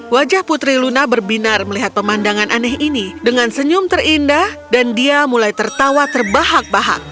wajah putri luna berbinar melihat pemandangan aneh ini dengan senyum terindah dan dia mulai tertawa terbahak bahak